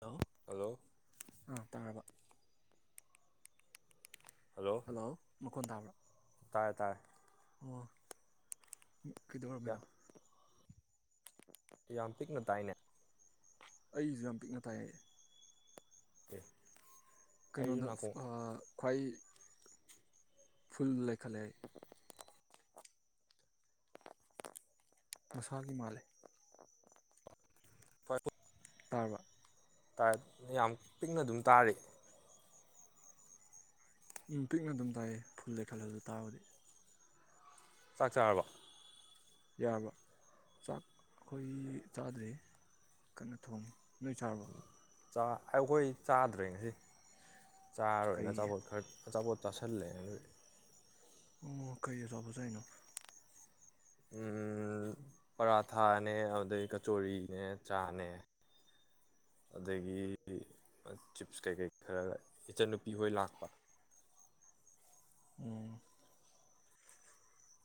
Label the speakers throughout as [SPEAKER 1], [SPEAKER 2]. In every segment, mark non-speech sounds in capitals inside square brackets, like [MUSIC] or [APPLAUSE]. [SPEAKER 1] hello
[SPEAKER 2] hello
[SPEAKER 1] ꯑꯥ ꯇꯥꯔꯕ hello ꯃꯈꯣꯟ ꯇꯥꯕ꯭ꯔꯣ
[SPEAKER 2] ꯇꯥꯔꯦ ꯇꯥꯔꯦ
[SPEAKER 1] ꯑꯣ ꯃꯤ
[SPEAKER 2] ꯌꯥꯝ
[SPEAKER 1] ꯀꯗꯧꯔꯃꯦꯟꯅ
[SPEAKER 2] ꯌꯥꯝ ꯄꯤꯛꯅ ꯇꯥꯏꯅꯦ
[SPEAKER 1] ꯑꯩꯁꯨ ꯌꯥꯝ ꯄꯤꯛꯅ ꯊꯥꯏꯑꯦ
[SPEAKER 2] ꯀ
[SPEAKER 1] ꯀꯩꯅꯣꯗ ꯈ꯭ꯋꯥꯏ ꯐꯨꯜ ꯂꯩꯈꯠꯂꯦ ꯍꯥꯏ ꯃꯁꯥꯒꯤ ꯃꯥꯜꯂꯦ
[SPEAKER 2] ꯐ
[SPEAKER 1] ꯇꯔꯔꯕ
[SPEAKER 2] ꯌꯥꯝ ꯄꯤꯛꯅ ꯑꯗꯨꯝ ꯇꯥꯔꯤ
[SPEAKER 1] ꯎꯝ ꯄꯤꯛꯅ ꯑꯗꯨꯝ ꯇꯥꯏꯌꯦ ꯐꯨꯜꯗꯩ ꯈꯜꯂꯗꯨ ꯇꯥꯔꯒꯗꯤ
[SPEAKER 2] ꯆꯥꯛ ꯆꯥꯔꯕ
[SPEAKER 1] ꯌꯥꯔꯕ ꯆꯥꯛ ꯑꯩꯈꯣꯏ ꯆꯥꯗ꯭ꯔꯦ ꯀꯟꯅ ꯊꯣꯡꯉꯤ ꯅꯣꯏ ꯁꯥꯥꯔꯕ
[SPEAKER 2] ꯑꯩꯈꯣꯏ ꯆꯥꯗ꯭ꯔꯦ ꯉꯁꯤ ꯆꯥꯔꯣꯏꯅ
[SPEAKER 1] ꯀꯩ
[SPEAKER 2] ꯑꯆꯥꯄꯣꯠ ꯈꯔ ꯑꯆꯥꯄꯣꯠ ꯇꯥꯁꯔꯂꯦ
[SPEAKER 1] ꯑꯣ ꯀꯩꯣ ꯁꯕꯨꯁꯅ
[SPEAKER 2] ꯎ ꯄꯔꯥꯊꯥꯅꯦ ꯑꯗꯩ ꯀꯆꯣꯔꯤꯅꯦ ꯆꯥꯅꯦ ꯑꯗꯒꯤ ꯆꯤꯞꯁ ꯀꯩꯀꯩ ꯈꯔ ꯏꯆꯟꯅꯨꯄꯤ ꯍꯣꯏ ꯂꯥꯛꯄ
[SPEAKER 1] ꯎꯝ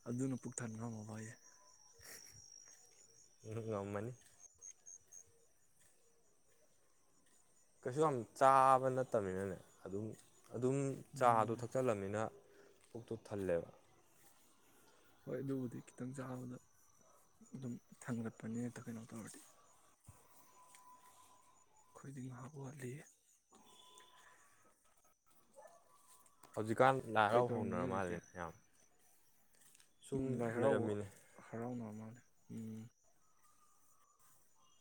[SPEAKER 1] ꯑꯗꯨꯅ ꯄꯨꯛ ꯊꯟ ꯉꯝꯃꯕꯏꯌꯦꯦ
[SPEAKER 2] ꯉ ꯃꯅꯤ ꯀꯩꯁꯨ ꯌꯥꯝ ꯆꯥꯕ ꯅꯠꯇꯕꯅꯤꯅꯅꯦ ꯑꯗꯨꯝ ꯑꯗꯨꯝ ꯆꯥꯗꯣ
[SPEAKER 1] ꯎꯝ
[SPEAKER 2] ꯊꯛꯆꯜꯂꯝꯅꯤꯅ ꯄꯨꯛꯇꯨ ꯊꯜꯂꯦꯕ
[SPEAKER 1] ꯍꯣꯏ ꯑꯗꯨꯕꯨꯗꯤ ꯈꯤꯇꯪ ꯆꯥꯕꯗ ꯑꯗꯨꯝ ꯊꯥꯡꯒꯠꯄꯅꯤꯅ ꯀꯩꯅꯣ ꯇꯧꯔꯗꯤ ꯑꯩꯈꯣꯏꯗꯤꯡ ꯉꯥꯄ ꯋꯥꯠꯂꯤ
[SPEAKER 2] ꯍꯧꯖꯤꯛꯀꯥꯟ ꯂꯥꯏ
[SPEAKER 1] ꯀꯩ
[SPEAKER 2] ꯍꯔꯥꯎ ꯍꯧꯅꯔ
[SPEAKER 1] ꯇꯧꯔꯝꯃꯤꯒꯦ
[SPEAKER 2] ꯃꯥꯜꯂꯦꯅꯦ ꯃꯌꯥꯝ
[SPEAKER 1] ꯎ ꯂꯥꯏ ꯍꯔꯥꯎꯕ ꯍꯔꯥꯎꯅ ꯑꯃ ꯎꯝ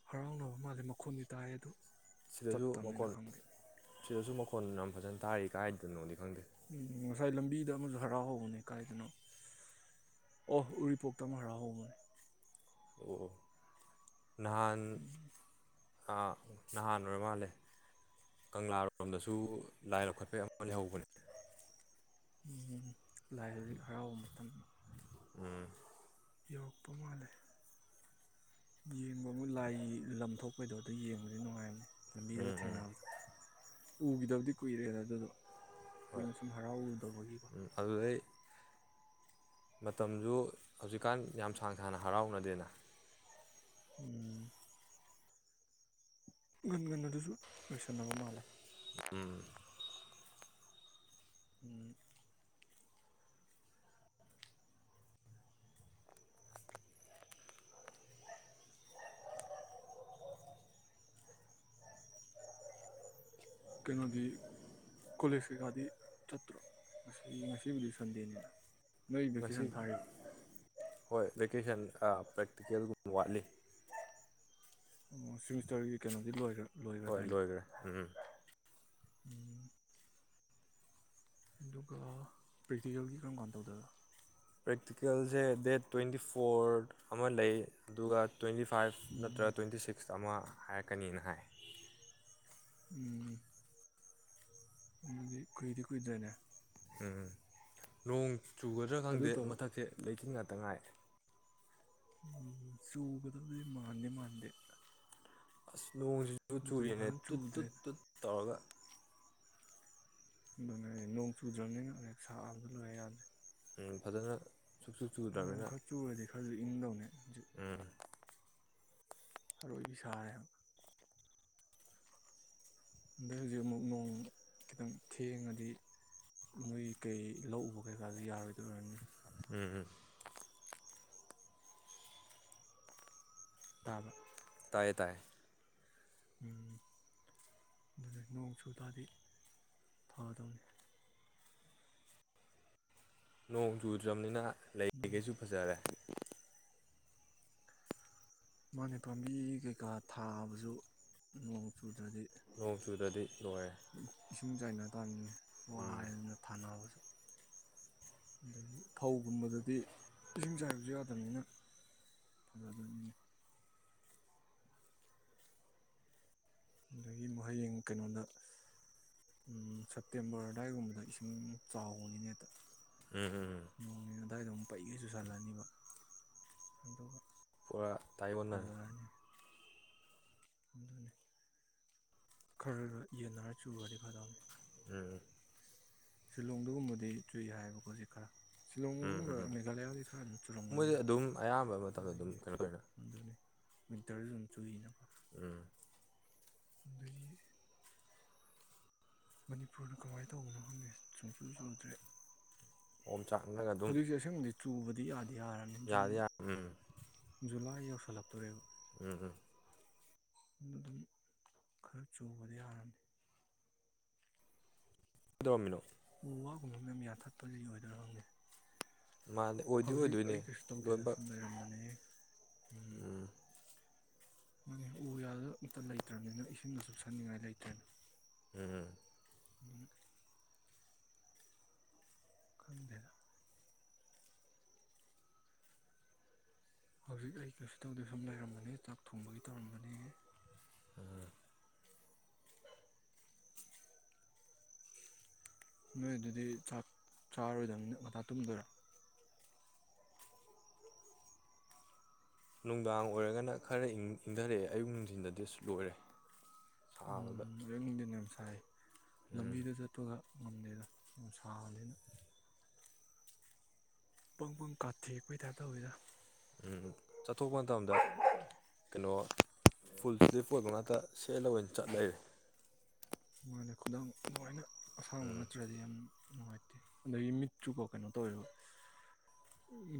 [SPEAKER 1] ꯍꯔꯥꯎꯅꯕ ꯃꯥꯜꯂꯦ ꯃꯈꯣꯟꯗꯤ ꯇꯥꯏꯌꯦ ꯑꯗꯨ ꯆꯠ
[SPEAKER 2] ꯁꯤꯗꯁꯨ
[SPEAKER 1] ꯇꯝ
[SPEAKER 2] ꯃꯈꯣꯟ
[SPEAKER 1] ꯈ
[SPEAKER 2] ꯁꯤꯗꯁꯨ ꯃꯈꯣꯟ ꯌꯥꯝ ꯐꯖꯅ ꯇꯥꯔꯤ ꯀꯥꯏꯗꯅꯣꯗꯤ ꯈꯪꯗꯦ
[SPEAKER 1] ꯎꯝ ꯉꯁꯥꯏ ꯂꯝꯕꯤꯗ ꯑꯃꯁꯨ ꯍꯔꯥꯎ ꯍꯧꯕꯅꯦ ꯀꯥꯏꯗꯅꯣ ꯑꯣ ꯎꯔꯤꯄꯣꯛꯇ ꯑꯃ ꯍꯔꯥꯎ ꯍꯧꯕꯅꯦ
[SPEAKER 2] ꯑꯣ ꯅꯍꯥꯟ
[SPEAKER 1] ꯎꯝ
[SPEAKER 2] ꯅꯍꯥꯟ ꯑꯣꯏꯔ ꯃꯥꯜꯂꯦ ꯀꯪꯂꯥꯔꯣꯝꯗꯁꯨ ꯂꯥꯏ ꯂꯧꯈꯠꯄꯩ ꯑꯃ ꯂꯩꯍꯧꯕꯅꯦ
[SPEAKER 1] ꯂꯥꯏ ꯂꯔꯤꯛ ꯍꯔꯥꯎꯕ ꯃꯇꯝ ꯌꯧꯔꯛꯄ ꯃꯥꯜꯂꯦ ꯌꯦꯡꯕ ꯑꯃꯨꯛ ꯂꯥꯏ ꯂꯝ ꯊꯣꯛꯄꯩꯗꯣ ꯑꯗꯨ ꯌꯦꯡꯕꯗꯤ ꯅꯨꯡꯉꯥꯏꯕꯅꯦ ꯂꯝꯕꯤꯗ ꯊꯦꯡꯅ ꯎꯈꯤꯗꯕꯗꯤ ꯀꯨꯏꯔꯦꯗ ꯑꯗꯨꯗꯣ
[SPEAKER 2] ꯍꯣꯏ
[SPEAKER 1] ꯀꯨꯏꯅ ꯁꯨꯝ ꯍꯔꯥꯎꯔꯨꯗꯕꯒꯤꯀꯣ
[SPEAKER 2] ꯑꯗꯨꯗꯩ ꯃꯇꯝꯁꯨ ꯍꯧꯖꯤꯛꯀꯥꯟ ꯌꯥꯝ ꯁꯥꯡ ꯁꯥꯡꯅ ꯍꯔꯥꯎꯅꯗꯦꯅ
[SPEAKER 1] ꯎꯝ ꯎꯒ ꯑꯗꯨꯁꯨ ꯂꯣꯏꯁꯟꯅꯕ ꯃꯥꯜꯂꯦ ꯎꯝ ꯀꯩꯅꯣꯗꯤ ꯀꯣꯂꯦꯖ ꯀꯩꯀꯥꯗꯤ ꯆꯠꯇ꯭ꯔꯣ ꯉ ꯉꯁꯤꯕꯨꯗꯤ ꯁꯟꯗꯦꯅꯤꯅ ꯅꯣꯏ
[SPEAKER 2] ꯉꯁꯤ
[SPEAKER 1] ꯚꯦꯀꯦꯁꯟ ꯊꯥꯔ
[SPEAKER 2] ꯍꯣꯏ ꯚꯦꯀꯦꯁꯟ ꯄ꯭ꯔꯦꯛꯇꯤꯀꯦꯜꯒꯨꯝꯕ ꯋꯥꯠꯂꯤ
[SPEAKER 1] ꯑꯣ ꯁꯤꯦꯃꯤꯁꯇꯔꯒꯤ ꯀꯩꯅꯣꯗꯤ ꯂꯣꯏꯈ꯭ꯔꯥ
[SPEAKER 2] ꯍꯣꯏ ꯂꯣꯏꯈ꯭ꯔꯦ ꯎꯝꯝ
[SPEAKER 1] ꯎꯝ ꯏꯗꯨ ꯄꯦꯛꯇꯀꯦꯜꯒꯤ ꯏ ꯀꯅ ꯀꯅꯧꯗꯗ
[SPEAKER 2] ꯄ꯭ꯔꯦꯛꯇꯤꯀꯦꯜꯁꯦ ꯗꯦꯠ ꯇ꯭ꯋꯦꯟꯇꯤ ꯐꯣꯔ ꯑꯃ ꯂꯩ ꯑꯗꯨꯒ ꯇꯣꯏꯟꯇꯤ ꯐꯥꯏꯞ
[SPEAKER 1] ꯎꯝ
[SPEAKER 2] ꯅꯠꯇ꯭ꯔꯒ ꯇꯣꯏꯟꯇꯤ ꯁꯤꯛꯁ ꯆꯥꯝꯃ ꯍꯥꯏꯔꯛꯀꯅꯤꯅ ꯍꯥꯏ
[SPEAKER 1] ꯎꯝ ꯑꯗꯤ ꯀꯏꯗꯤ ꯀꯣꯏꯗꯅ
[SPEAKER 2] ꯎꯝ ꯅꯣꯡ ꯆꯨꯒꯗ꯭ꯔꯥ
[SPEAKER 1] ꯑꯗꯨ
[SPEAKER 2] ꯈꯪꯗꯦ
[SPEAKER 1] ꯇꯧ
[SPEAKER 2] ꯃꯊꯛꯁꯦ ꯂꯩꯆꯤꯟ ꯉꯥꯛꯇ ꯉꯥꯏ
[SPEAKER 1] ꯎꯝ ꯆꯨꯒꯗ ꯃꯥꯟꯗꯦ ꯃꯥꯟꯗꯦ
[SPEAKER 2] ꯑꯁ ꯅꯣꯡꯁꯤꯁꯨ
[SPEAKER 1] ꯅꯣꯡꯒ
[SPEAKER 2] ꯆꯨꯔꯤꯅꯦ
[SPEAKER 1] ꯐꯖꯅ
[SPEAKER 2] ꯇꯨꯠ ꯇꯨꯠ
[SPEAKER 1] ꯆꯨꯗ꯭ꯔꯦꯗ
[SPEAKER 2] ꯇꯨꯠ ꯇꯧꯔꯒ
[SPEAKER 1] ꯑꯗꯨꯅꯦ ꯅꯣꯡ ꯆꯨꯗ꯭ꯔꯕꯅꯤꯅꯦꯛ ꯁꯥꯛꯕ ꯂꯣꯏꯔꯦ ꯌꯥꯗ꯭ꯔꯦ
[SPEAKER 2] ꯎ ꯐꯖꯅ ꯁꯨꯛꯆꯨ
[SPEAKER 1] ꯅꯣꯡ ꯈꯔ ꯆꯨꯔꯦꯗꯤ ꯈꯔ ꯏꯨꯡꯗꯅꯦ
[SPEAKER 2] ꯑ
[SPEAKER 1] ꯕꯤ ꯁꯥꯥꯦ ꯑꯗꯩ ꯍꯧꯖꯤꯛ ꯑꯃꯨꯛ ꯅꯣꯡ ꯈꯤꯇꯪ ꯊꯦꯡꯉꯗꯤ ꯃꯣꯏ ꯀꯩ ꯂꯧꯎꯕ ꯀꯩꯀꯥꯁꯨ ꯌꯥꯔꯣꯏꯗ ꯑꯣꯏꯔꯅꯤ
[SPEAKER 2] ꯎꯝ ꯎꯝ
[SPEAKER 1] ꯇꯥꯕ꯭ꯔ
[SPEAKER 2] ꯇ ꯇꯥꯏ
[SPEAKER 1] ꯎꯝ ꯑꯗꯨꯗꯤ ꯅꯣꯡ ꯆꯨ ꯇꯗꯤ ꯊꯥꯗꯧꯅꯦ
[SPEAKER 2] ꯅꯣꯡ ꯨꯨꯔꯖꯝꯅꯤꯅ
[SPEAKER 1] ꯅꯣꯡ ꯃꯥꯅꯦ ꯄꯥꯝꯕꯤ ꯀꯩꯀꯥ ꯊꯥꯕꯁꯨ ꯅꯣꯡ ꯆꯨꯗ꯭ꯔꯗꯤ
[SPEAKER 2] ꯅꯣꯡ ꯆꯨꯗꯗꯤ ꯂꯣꯏꯔꯦ
[SPEAKER 1] ꯁ ꯆꯥꯏꯅ ꯇꯥꯅꯤꯅꯦ ꯋꯥ
[SPEAKER 2] ꯎꯝ
[SPEAKER 1] ꯅ ꯊꯅꯁ ꯑꯗꯒꯤ ꯐꯧꯒꯨꯝꯕꯗꯗꯤ ꯏꯁꯤꯡ ꯆꯥꯏꯕꯁꯨ ꯌꯥꯗꯕꯅꯤꯅ ꯐꯖꯗꯕꯅꯤꯅ ꯑꯗꯒꯤ ꯍꯌꯦꯡ ꯀꯩꯅꯣꯗ ꯁꯦꯞꯇꯦꯝꯕꯔ ꯑꯗꯨꯋꯥꯏꯒꯨꯝꯕꯗ ꯏꯁꯤꯡ ꯆꯥꯎꯕꯒꯤꯅꯦꯛꯇ
[SPEAKER 2] ꯎꯝ ꯎꯝ
[SPEAKER 1] ꯅꯣꯡ ꯑꯗꯥꯏꯗꯝ ꯄꯩꯒꯁꯨ ꯁꯥꯜꯂꯅꯤꯕ ꯑꯗꯨꯒ
[SPEAKER 2] ꯄꯨꯔꯥ ꯇꯥꯏꯕꯣꯟꯅ
[SPEAKER 1] ꯑꯗꯨ ꯈꯔ ꯌꯦꯟꯅꯔ ꯆꯒꯗꯤ ꯐꯥꯗꯧꯅꯤ
[SPEAKER 2] ꯎꯝ
[SPEAKER 1] ꯁꯤꯂꯣꯡꯗꯨꯒꯨꯝꯕꯗꯤ ꯆꯨꯏ ꯍꯥꯏꯌꯦꯕꯀꯣ ꯍꯧꯖꯤꯛ ꯈꯔ ꯁꯤꯂꯣꯡꯒꯨꯝꯕ ꯃꯦꯘꯥꯂꯌꯥꯒꯤ ꯈꯔ ꯑꯗꯨ
[SPEAKER 2] ꯃꯣꯏꯗꯤ
[SPEAKER 1] ꯆꯤꯂꯣꯡꯕꯅꯤꯗ
[SPEAKER 2] ꯑꯗꯨꯝ ꯑꯌꯥꯝꯕ ꯃꯇꯝꯗ ꯑꯗꯨꯝ
[SPEAKER 1] ꯑꯗꯒꯤ
[SPEAKER 2] ꯀꯩꯅꯣ ꯇꯧꯋꯤꯅ
[SPEAKER 1] ꯑꯗꯨꯅꯤ ꯃꯤꯋꯤꯟꯇꯔꯁꯨ ꯑꯗꯨꯝ ꯆꯨꯏꯅ
[SPEAKER 2] ꯎꯝ
[SPEAKER 1] ꯑꯗꯨꯗꯒꯤ ꯃꯅꯤꯄꯨꯔꯗ ꯀꯃꯥꯏꯅ ꯇꯧꯕꯅꯣ ꯈꯪꯗꯦ ꯁꯨꯡꯁꯨ ꯆꯨꯗ꯭ꯔꯦ
[SPEAKER 2] ꯑꯣ ꯆꯥꯛꯅꯒ ꯑꯗꯨꯝ
[SPEAKER 1] ꯍꯧꯖꯤꯛꯁꯦ ꯑꯁꯦꯡꯕꯗꯤ ꯆꯨꯕꯗꯤ ꯑ ꯌꯥꯗꯤꯌꯥꯔꯅꯤ ꯖꯨꯟ
[SPEAKER 2] ꯌꯥꯗꯤ ꯌꯥ ꯎꯝ
[SPEAKER 1] ꯖꯨꯂꯥꯏ ꯑꯩ ꯌꯁꯜꯂꯞꯇꯣꯔꯦꯕ
[SPEAKER 2] ꯎꯝ ꯎꯝ
[SPEAKER 1] ꯑꯗꯨꯝ ꯈꯔ ꯆꯨꯕꯗꯤ ꯌꯥꯔꯅꯤ
[SPEAKER 2] ꯗꯣꯃꯤꯅꯣ
[SPEAKER 1] ꯎ ꯋꯥꯒꯨꯝꯕ ꯃꯌꯥꯝ ꯌꯥꯟꯊꯠꯄꯁꯤ ꯑꯣꯏꯣꯏꯗꯔ ꯍꯪꯉꯦ
[SPEAKER 2] ꯃꯥꯅꯦ ꯑꯣꯏꯗꯤ
[SPEAKER 1] ꯍꯧꯖꯤꯛ
[SPEAKER 2] ꯑꯣꯏꯗꯣꯏꯅꯦ
[SPEAKER 1] ꯑꯩ ꯀꯩꯁꯨ ꯇꯧꯗꯦꯅ ꯁꯨꯝ ꯂꯩꯔꯝꯕꯅꯤ
[SPEAKER 2] ꯎꯝ
[SPEAKER 1] ꯃꯥꯅꯤ ꯎ ꯌꯥꯗ ꯑꯝꯇ ꯂꯩꯇ꯭ꯔꯕꯅꯤꯅ ꯏꯁꯤꯡꯗ ꯆꯨꯞꯁꯟꯅꯤꯡꯉꯥꯏ ꯂꯩꯇ꯭ꯔꯦꯅ
[SPEAKER 2] ꯎꯝ
[SPEAKER 1] ꯎꯝ ꯈꯝꯗꯦ ꯍꯧꯖꯤꯛ ꯑꯩ ꯀꯩꯁꯨ ꯇꯧꯗꯦ ꯁꯨꯝ ꯂꯩꯔꯝꯕꯅꯤ ꯆꯥꯛ ꯊꯣꯡꯕꯒꯤ ꯇꯧꯔꯝꯕꯅꯤ ꯅꯣꯏ ꯑꯗꯨꯗꯤ ꯆꯥꯛ ꯆꯥꯔꯣꯏꯗꯅꯤꯅ ꯉꯥ ꯇꯨꯝꯗꯣꯏꯔꯥ
[SPEAKER 2] ꯅꯨꯡꯗꯥꯡ ꯑꯣꯏꯔꯒꯅ ꯈꯔ ꯏꯪꯊꯔꯛꯑꯦ ꯑꯌꯨꯛ ꯅꯨꯡꯊꯤꯟꯗꯗꯤꯁꯨ ꯂꯣꯏꯔꯦ ꯁꯕꯗ
[SPEAKER 1] ꯍꯣꯏ ꯂꯝꯕꯤꯗ ꯆꯠꯄꯒ ꯉꯝꯗꯔ ꯅꯨꯡ ꯁꯥꯅꯤꯅ ꯄꯪ ꯄꯨꯡ ꯀꯥꯊꯦ ꯑꯩꯈꯣꯏ ꯇꯥꯏꯞ ꯇꯤꯗ
[SPEAKER 2] ꯆꯠꯊꯣꯛꯄ ꯃꯇꯝꯗ ꯀꯩꯅꯣ ꯐꯨꯜ ꯏꯁ꯭ꯂꯤꯞ ꯑꯣꯏꯕ ꯉꯥꯛꯇ ꯁꯦꯠꯂ ꯑꯣꯏꯅ ꯆꯠ ꯂꯩꯔꯦ
[SPEAKER 1] ꯃꯥꯅ ꯈꯨꯗꯝꯪ ꯑꯗꯨꯥꯏꯅ ꯑꯁꯥꯎ ꯅꯠꯇ꯭ꯔꯗꯤ ꯌꯥꯝ ꯅꯨꯡꯉꯥꯏꯇꯦ ꯑꯗꯒꯤ ꯃꯤꯠꯁꯨꯨꯀꯣ ꯀꯩꯅꯣ ꯇꯧꯋꯦꯕ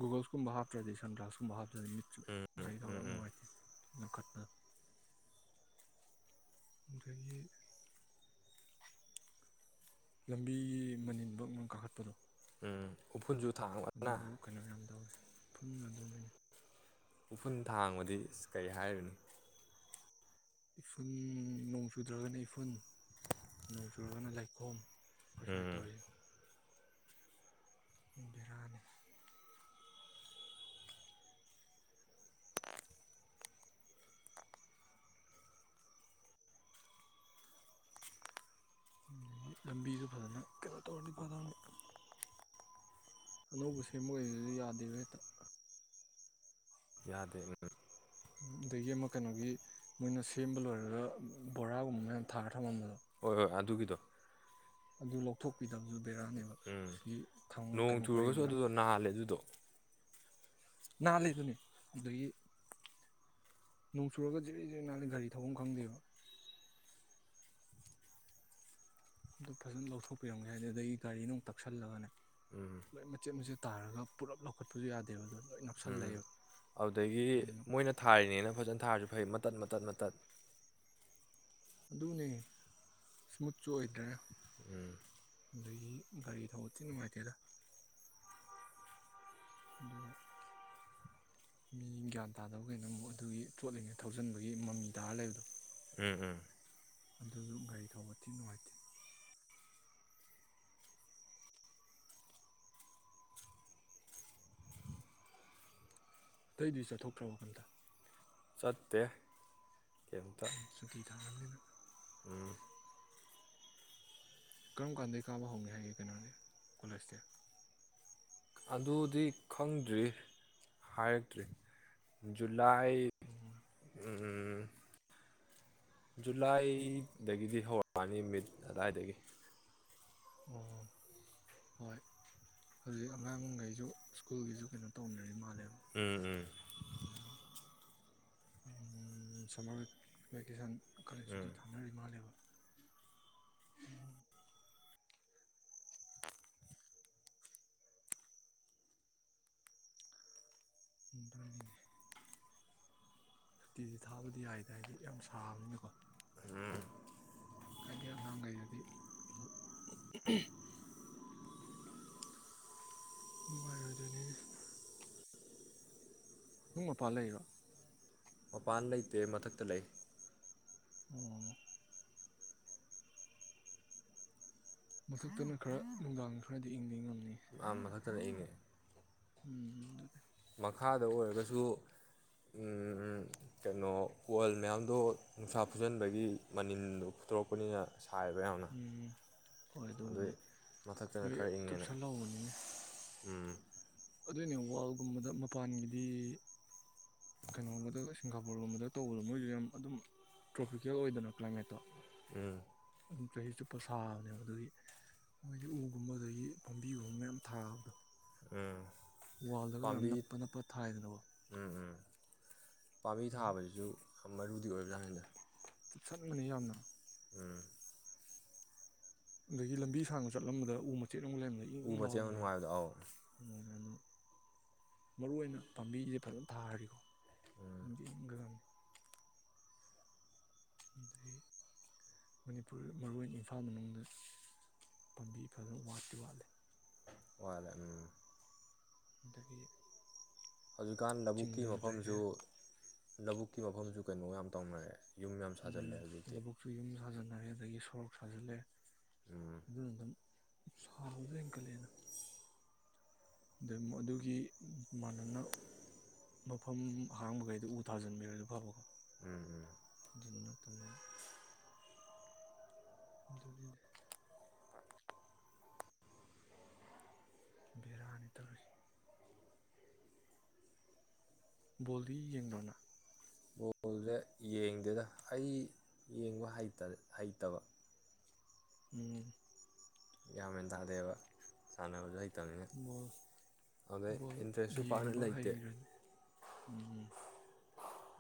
[SPEAKER 1] ꯒꯨꯒꯜꯁꯀꯨꯝꯕ ꯍꯥꯞꯇ꯭ꯔꯗꯤ ꯁꯟꯗ꯭ꯔꯥꯁꯀꯨꯝꯕ ꯍꯥꯞꯄꯇ꯭ꯔꯥ
[SPEAKER 2] ꯎꯝ ꯎꯝ ꯎꯝ
[SPEAKER 1] ꯃꯦꯁꯨꯒꯥꯏꯒꯅꯅꯨꯡ
[SPEAKER 2] ꯎꯝ
[SPEAKER 1] ꯋꯥ ꯃꯈꯨꯠꯄ ꯉꯗꯒꯤ ꯂꯝꯕꯤꯒꯤ ꯃꯅꯤꯜꯃꯛꯅ ꯀꯥꯈꯠꯠꯇꯅꯣ
[SPEAKER 2] ꯎꯝ ꯎꯐꯨꯔꯖꯨ
[SPEAKER 1] ꯑꯗꯨꯁꯨ ꯀꯩꯅꯣ ꯌꯥꯝ ꯇꯧꯋꯦ ꯄꯨꯟꯅꯗꯨꯅ
[SPEAKER 2] ꯎꯐꯨꯜ ꯊꯥꯡꯕꯗꯤ ꯑꯁ ꯀꯔꯤ ꯍꯥꯏꯔꯤꯨꯅ
[SPEAKER 1] ꯏꯐꯨꯟ ꯅꯣꯡ ꯆꯨꯗ꯭ꯔꯒꯅ ꯏꯐꯨꯟ ꯅꯣꯡ ꯆꯨꯔꯒꯅ ꯂꯩꯥꯏꯈꯣꯝ ꯀꯁꯣꯏ
[SPEAKER 2] ꯎꯝ
[SPEAKER 1] ꯇꯧꯔꯤ ꯕꯤꯔꯅꯤ ꯑꯗꯒꯤ ꯂꯝꯕꯤꯁꯨ ꯐꯖꯅ ꯀꯩꯅꯣ ꯇꯧꯔꯗꯤ ꯐꯗꯧꯅꯤ ꯑꯅꯧꯕ ꯁꯦꯝꯕ ꯑꯣꯏꯕꯗꯨꯁꯨ ꯌꯥꯗꯦꯕ ꯍꯦꯛꯇ
[SPEAKER 2] ꯌꯥꯗ
[SPEAKER 1] ꯑꯗꯒꯤ ꯑꯃꯛ ꯀꯩꯅꯣꯒꯤ ꯃꯣꯏꯅ ꯁꯦꯝꯕ ꯂꯣꯏꯔꯒ ꯕꯣꯔꯥꯒꯨꯝꯕ ꯃꯌꯥꯝ ꯊꯥꯔ ꯊꯝꯃꯝꯕꯗꯣ
[SPEAKER 2] ꯍꯣꯏ ꯍꯣꯏ ꯑꯗꯨꯒꯤꯗꯣ
[SPEAKER 1] ꯑꯗꯨ ꯂꯧꯊꯣꯛꯄꯤꯗꯕꯁꯨ ꯕꯦꯔꯥꯅꯦꯕ ꯁꯤ ꯊ
[SPEAKER 2] ꯅꯣꯡ
[SPEAKER 1] ꯀꯩꯅꯣ
[SPEAKER 2] ꯆꯨꯔꯒꯁꯨ
[SPEAKER 1] ꯄꯔꯦꯡꯗ
[SPEAKER 2] ꯑꯗꯨꯗꯣ ꯅꯥꯍꯜꯂꯦ ꯑꯗꯨꯗꯣ
[SPEAKER 1] ꯅꯥꯜꯂꯤꯗꯨꯅꯦ ꯑꯗꯒꯤ ꯅꯣꯡ ꯆꯨꯔꯒ ꯖꯤꯔꯤ ꯖꯤꯔꯤ ꯅꯥꯜꯂꯤ ꯒꯥꯔꯤ ꯊꯐꯝ ꯈꯪꯗꯦꯕ ꯑꯗꯨꯝ ꯐꯖꯅ ꯂꯧꯊꯣꯛꯄꯤꯔꯝꯒꯦ ꯍꯥꯏꯗꯤ ꯑꯗꯒꯤ ꯒꯥꯔꯤ ꯅꯨꯡꯛꯁꯜꯂꯒꯅꯦ ꯂꯣꯏ ꯃꯆꯦꯠ ꯃꯆꯦꯠ ꯇꯥꯔꯒ ꯄꯨꯂꯞ ꯂꯧꯈꯠꯄꯁꯨ ꯌꯥꯗꯦꯕ ꯑꯗꯨꯅ
[SPEAKER 2] ꯎꯝ ꯑꯗꯨꯗꯒꯤ
[SPEAKER 1] ꯎꯝ
[SPEAKER 2] ꯃꯣꯏꯅ ꯊꯥꯔꯤꯅꯤꯅ ꯐꯖꯅ ꯊꯥꯔꯁꯨ ꯐꯩ ꯃꯇꯠ ꯃꯇꯠ ꯃꯇꯠ
[SPEAKER 1] [UNINTELLIGIBLE]
[SPEAKER 2] ꯎꯝ
[SPEAKER 1] ꯑꯗꯒꯤ ꯒꯥꯔꯤ ꯊꯧꯕꯗꯤꯤ ꯅꯨꯡꯉꯥꯏꯇꯦꯗ ꯑꯗꯨꯒ ꯃꯤ ꯒ꯭ꯌꯥꯟ ꯇꯥꯗꯧꯒꯤꯩꯅꯣ ꯑꯃꯨꯛ ꯑꯗꯨꯒꯤ ꯄꯣꯠꯂꯤꯉꯩ ꯊꯧꯖꯤꯟꯕꯒꯤ ꯃꯃꯤ ꯇꯥꯔ ꯂꯩꯕꯗꯣ
[SPEAKER 2] ꯎꯝ ꯎꯝ
[SPEAKER 1] ꯑꯗꯨꯁꯨ ꯒꯥꯔꯤ ꯊꯧꯕ ꯊꯤ ꯅꯨꯡꯉꯥꯏꯇꯦ ꯑꯇꯩꯗꯨꯗꯤ ꯆꯠꯊꯣꯛꯇ꯭ꯔꯕ ꯀꯟꯇ
[SPEAKER 2] ꯆꯠꯇꯦ
[SPEAKER 1] ꯁꯨꯛꯇꯈꯤ ꯊꯒꯦ
[SPEAKER 2] ꯎꯝ
[SPEAKER 1] ꯀꯔꯝ ꯀꯥꯟꯗꯒꯤ ꯀꯥꯕ ꯍꯧꯒꯦ ꯍꯥꯏꯒꯦ ꯀꯩꯅꯣꯅꯦ ꯀꯣꯂꯁꯁꯦ
[SPEAKER 2] ꯑꯗꯨꯗꯤ ꯈꯪꯗ꯭ꯔꯤ ꯍꯥꯏꯔꯛꯇ꯭ꯔꯤ ꯂꯩꯅꯥꯏ
[SPEAKER 1] ꯑꯣ
[SPEAKER 2] ꯎ ꯖꯨꯂꯥꯏꯗꯒꯤꯗꯤ ꯍꯧꯔꯛꯑꯅꯤ ꯃꯤꯠ ꯑꯗꯨꯋꯥꯏꯗꯒꯤ
[SPEAKER 1] ꯑꯣ ꯍꯣꯏ ꯍꯧꯖꯤꯛ ꯑꯉꯥꯡꯈꯩꯁꯨ ꯁ꯭ꯀꯨꯜꯒꯤꯁꯨ ꯀꯩꯅꯣ ꯇꯧꯅꯔꯤ ꯃꯥꯜꯂꯦ
[SPEAKER 2] ꯎꯝ ꯎꯝ
[SPEAKER 1] ꯎ ꯁꯃꯕ ꯀꯁꯥꯟ ꯑꯀꯜ ꯑꯁꯨꯗꯤ ꯊꯥꯅꯔꯤ ꯃꯥꯜꯂꯦꯕ ꯎꯝ ꯍ ꯁꯨꯇꯤꯗꯤ ꯊꯥꯕꯗꯤ ꯌꯥꯏꯗ ꯍꯥꯏꯗꯤ ꯌꯥꯝ ꯁꯥꯕꯅꯤꯅꯀꯣ
[SPEAKER 2] ꯎꯝ
[SPEAKER 1] ꯍꯥꯏꯒꯤ ꯑꯉꯥꯡꯈꯩꯗꯗꯤ ꯅꯨꯡꯉꯥꯏ ꯑꯣꯏꯔꯅꯤ ꯨꯡ ꯃꯄ ꯂꯩꯕ
[SPEAKER 2] ꯃꯄꯥꯟ ꯂꯩꯇꯦ ꯃꯊꯛꯇ ꯂꯩ
[SPEAKER 1] ꯑꯣꯝ ꯃꯊꯛꯇꯅ ꯈꯔ ꯅꯨꯡꯗꯥꯡ ꯁ꯭ꯋꯥꯏꯗ ꯏꯪꯕ ꯉꯝꯃꯤ
[SPEAKER 2] ꯑꯝ ꯃꯈ ꯈ ꯇꯅ ꯏꯪ
[SPEAKER 1] ꯎꯝ
[SPEAKER 2] ꯃꯈꯥꯗ ꯑꯣꯏꯔꯒꯁꯨ ꯀꯩꯅꯣ ꯄꯣꯜ ꯃꯌꯥꯝꯗꯣ ꯅꯨꯡꯁꯥ ꯐꯨꯖꯟꯕꯒꯤ ꯃꯅꯤꯟꯗꯣ ꯐꯨꯠꯇꯣꯔꯛꯄꯅꯤꯅ ꯁꯥꯏꯕ ꯍꯧꯅ
[SPEAKER 1] ꯎꯝ ꯍꯣꯏ
[SPEAKER 2] ꯑꯗꯨ
[SPEAKER 1] ꯑꯗꯨꯕꯨꯗꯤ
[SPEAKER 2] ꯃꯊꯛꯇꯅ
[SPEAKER 1] ꯂꯣꯏ
[SPEAKER 2] ꯈꯔ ꯏꯪꯉꯦꯅ
[SPEAKER 1] ꯆꯨꯞꯁꯜꯍꯧꯕꯅꯤꯅꯦ
[SPEAKER 2] ꯎꯝ
[SPEAKER 1] ꯑꯗꯨꯏꯅꯦ ꯋꯥꯔꯜꯒꯨꯝꯕꯗ ꯃꯄꯥꯟꯒꯤꯗꯤ ꯀꯩꯅꯣꯒꯨꯝꯕꯗ ꯁꯤꯡꯒꯥꯄꯨꯔꯒꯨꯝꯕꯗ ꯇꯧꯕꯗꯣ ꯃꯣꯏꯁꯨ ꯌꯥꯝ ꯑꯗꯨꯝ ꯇ꯭ꯔꯣꯐꯤꯀꯦꯜ ꯑꯣꯏꯗꯅ ꯀ꯭ꯂꯥꯏꯃꯦꯠꯇꯣ
[SPEAKER 2] ꯎꯝ
[SPEAKER 1] ꯑꯗꯨꯝ ꯆꯍꯤ ꯆꯨꯞꯄ ꯁꯥꯕꯅꯦꯕ ꯑꯗꯨꯒꯤ ꯃꯣꯏꯒꯤ ꯎꯒꯨꯝꯕ ꯑꯗꯒꯤ ꯄꯥꯝꯕꯤꯒꯨꯝꯕ ꯃꯌꯥꯝ ꯊꯥꯕꯗꯣ
[SPEAKER 2] ꯎꯝ
[SPEAKER 1] ꯋꯥꯔꯜꯗꯒ ꯃꯌꯥꯝ ꯅꯞꯄ ꯅꯞꯄ ꯊꯥꯏꯗꯅꯕ
[SPEAKER 2] ꯄꯥꯝꯕꯤ ꯊꯥꯕꯁꯤꯁꯨ ꯌꯥꯝ ꯃꯔꯨꯗꯤ ꯑꯣꯏꯕ꯭ꯔꯥ ꯍꯥꯏꯅ
[SPEAKER 1] ꯆꯠꯕꯅꯤ ꯌꯥꯝꯅ
[SPEAKER 2] ꯎꯝ
[SPEAKER 1] ꯑꯗꯒꯤ ꯂꯝꯕꯤ ꯁꯥꯡꯅ ꯆꯠꯂꯝꯕꯗ ꯎ ꯃ ꯆꯦꯠ ꯑꯃꯨꯛ ꯂꯩꯔꯕꯗ ꯏꯪ
[SPEAKER 2] ꯎ
[SPEAKER 1] ꯏꯪ
[SPEAKER 2] ꯃꯆꯦꯠ ꯑꯃ
[SPEAKER 1] ꯂꯥꯎꯅꯦꯕ
[SPEAKER 2] ꯅꯨꯡꯉꯥꯏꯕꯗꯣ ꯑꯧ
[SPEAKER 1] ꯑꯗꯨꯅ ꯃꯔꯨ ꯑꯣꯏꯅ ꯄꯥꯝꯕꯤꯁꯦ ꯐꯖꯅ ꯊꯥꯈꯔꯤꯀꯣꯅꯤ ꯑꯗꯒꯤ ꯃꯅꯤꯄꯨꯔ ꯃꯔꯨ ꯑꯣꯏꯅ ꯏꯝꯐꯥꯜ ꯃꯅꯨꯡꯗ ꯄꯥꯝꯕꯤ ꯐꯖꯅ ꯋꯥꯠꯇꯤ ꯋꯥꯠꯂꯤ
[SPEAKER 2] ꯋꯥ
[SPEAKER 1] ꯇꯗꯒꯤ
[SPEAKER 2] ꯍꯧꯖꯤꯛꯀꯥꯟ ꯂꯧꯕꯨꯛꯀꯤ ꯃꯐꯝꯁꯨ ꯂꯧꯕꯕꯨꯛꯀꯤ ꯃꯐꯝꯁꯨ ꯀꯩꯅꯣ ꯌꯥꯝ ꯇꯧꯅꯔꯦ ꯌꯨꯝ ꯌꯥꯝ
[SPEAKER 1] ꯑꯗꯨꯅ
[SPEAKER 2] ꯁꯥꯖꯜꯂꯦ ꯍꯧꯖꯤꯛꯇꯤ
[SPEAKER 1] ꯂꯧꯕꯨꯛꯁꯨ ꯌꯨꯝ ꯁꯥꯖꯤꯟ ꯁꯔꯦ ꯑꯗꯒꯤ ꯁꯣꯔꯣꯛ ꯁꯥꯖꯜꯂꯦ ꯑꯗꯨ ꯑꯗꯨꯝ ꯁꯥꯥꯎꯗꯀꯂꯅ ꯑꯗꯩ ꯑꯗꯨꯒꯤ ꯃꯥꯟꯅꯅ ꯃꯐꯝ ꯍꯥꯡꯕꯈꯩꯗ ꯎ ꯊꯥꯖꯤꯟꯕꯤꯔ ꯑꯗꯨ ꯐꯕꯀꯣ
[SPEAKER 2] ꯎꯝ ꯎꯝ
[SPEAKER 1] ꯑꯗꯨꯗꯨ ꯅꯠꯇꯕꯅꯤꯅ [UNINTELLIGIBLE] ꯕꯦꯔꯥꯅꯤ ꯇꯧꯔꯤꯁꯤꯦ ꯕꯣꯜꯗꯤ ꯌꯦꯡꯕꯅ
[SPEAKER 2] ꯕꯣꯜꯁꯦ ꯌꯦꯡꯗꯦꯗ ꯑꯩ ꯌꯦꯡꯕ ꯍꯩꯇꯕ
[SPEAKER 1] ꯎꯝ
[SPEAKER 2] ꯌꯥꯝ ꯍꯦꯟ ꯇꯥꯗꯦꯕ ꯁꯥꯟꯅꯕꯁꯨ ꯍꯩ
[SPEAKER 1] ꯕꯣꯜ ꯕꯣꯜ
[SPEAKER 2] ꯏꯟꯇꯔꯦꯁꯁꯨ ꯄꯥꯛꯅ
[SPEAKER 1] ꯌꯦꯡꯕ
[SPEAKER 2] ꯂꯩꯇꯦ
[SPEAKER 1] ꯍꯩꯈ꯭ꯔꯗꯤ ꯎꯝ ꯎꯝ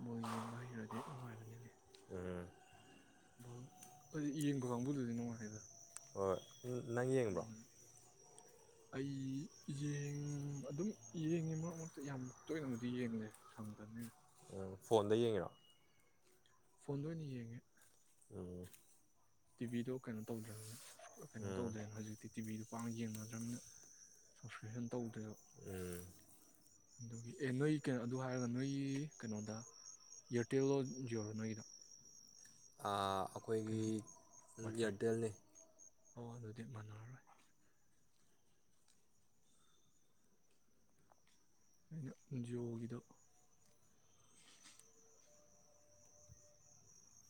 [SPEAKER 1] ꯕꯣꯜ ꯌꯦꯡꯕ ꯍꯩꯈ꯭ꯔꯗꯤ
[SPEAKER 2] ꯎꯝ
[SPEAKER 1] ꯑꯗꯨꯗꯤ ꯌꯦꯡꯕ ꯀꯥꯡꯕꯨꯗꯨꯗꯤ ꯅꯨꯡꯉꯥꯏꯔꯤꯗ
[SPEAKER 2] ꯑꯣ ꯅꯪ ꯌꯦꯡꯕꯣ
[SPEAKER 1] ꯑꯩ ꯌꯦꯡ ꯑꯗꯨꯝ ꯌꯦꯡꯉꯤ ꯃꯔꯛ ꯃꯔꯛꯇ ꯌꯥꯝ ꯇꯣꯏꯅꯃꯛꯗꯤ ꯌꯦꯡꯗꯦ ꯁꯪꯗꯅꯤꯅ
[SPEAKER 2] ꯐꯣꯟꯗ ꯌꯦꯡꯉꯤꯔꯣ
[SPEAKER 1] ꯐꯣꯟꯗ ꯑꯣꯏꯅ ꯌꯦꯡꯉꯦ
[SPEAKER 2] ꯎꯝ
[SPEAKER 1] ꯇꯤꯚꯤꯗꯣ ꯀꯩꯅꯣ ꯇꯧꯗ꯭ꯔꯅꯤꯅ ꯀꯩꯅꯣ ꯇꯧꯗ꯭ꯔꯦꯅ ꯍꯧꯖꯤꯛꯇꯤ ꯇꯤꯚꯤꯗꯨ ꯃ ꯄꯥꯡ ꯌꯦꯡꯅꯗ꯭ꯔꯕꯅꯤꯅ ꯁꯞꯁꯀ꯭ꯔꯤꯞꯁꯟ ꯇꯧꯗꯦꯕ ꯑꯗꯨꯒꯤ ꯑꯦ ꯅꯣꯏ ꯀꯩꯅꯣ ꯑꯗꯨ ꯍꯥꯏꯔꯒ ꯅꯣꯏꯒꯤ ꯀꯩꯅꯣꯗ ꯏꯌꯥꯔꯇꯦꯜꯣ ꯖꯤꯑꯣꯗꯣ ꯅꯣꯏꯒꯤꯗ
[SPEAKER 2] ꯑ ꯑꯩꯈꯣꯏꯒꯤ
[SPEAKER 1] ꯋꯥꯏ ꯐꯥꯏ
[SPEAKER 2] ꯏꯌꯥꯔꯇꯦꯜꯅꯤ
[SPEAKER 1] ꯑꯣ ꯑꯗꯨꯗꯤ ꯃꯥꯟꯅꯔꯔꯣꯏ ꯑꯩꯅ ꯖꯤꯣꯒꯤꯗ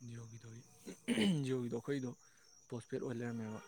[SPEAKER 1] ꯖꯤꯑꯣꯒꯤꯗꯨꯒꯤ ꯖꯤꯑꯣꯒꯤꯗꯣ ꯑꯩꯈꯣꯏꯗꯣ ꯄꯣꯁꯄꯦꯗ ꯑꯣꯏ ꯂꯩꯔꯝꯃꯦꯕ